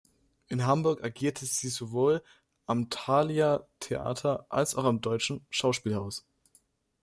In Hamburg agierte sie sowohl am Thalia Theater als auch am Deutschen Schauspielhaus.